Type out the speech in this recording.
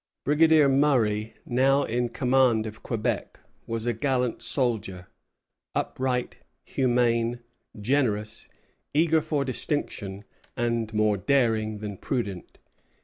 Brigadier Murray, now in command of Quebec, was a gallant soldier, upright, humane, generous, eager for distinction, and more daring than prudent.